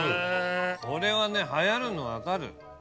これはね流行るの分かる。